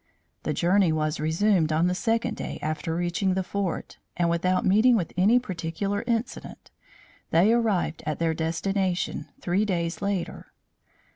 The journey was resumed on the second day after reaching the fort, and without meeting with any particular incident they arrived at their destination, three days later.